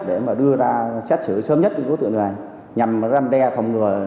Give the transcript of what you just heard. để đưa ra xét xử sớm nhất của tựa người